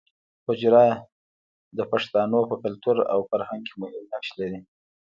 حجره د پښتانو په کلتور او فرهنګ کې مهم نقش لري